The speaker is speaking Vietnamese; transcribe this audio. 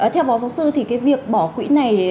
theo phó giáo sư thì cái việc bỏ quỹ này